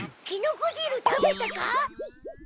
キノコ汁食べたか？